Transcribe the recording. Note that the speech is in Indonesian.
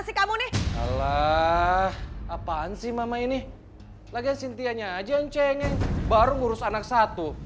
sih kamu nih alah apaan sih mama ini laganya sintianya aja yang cengeng baru ngurus anak satu